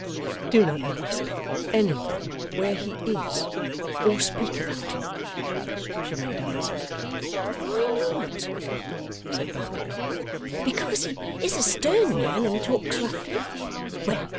'Do not ask any one where he is, or speak about him,' she made answer. 'Why not?' said Barnaby. 'Because he is a stern man, and talks roughly? Well!